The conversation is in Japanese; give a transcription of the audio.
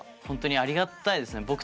本当にありがたいですね。